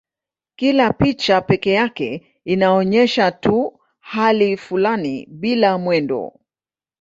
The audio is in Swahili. Kila picha pekee yake inaonyesha tu hali fulani bila mwendo.